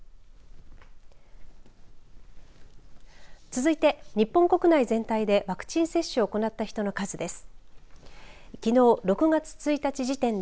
続いて、日本国内全体でワクチン接種を行った人の数です。